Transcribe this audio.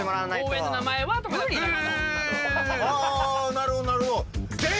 なるほどなるほど。